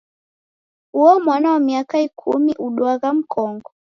Uo mwana wa miaka ikumi uduagha mkongo.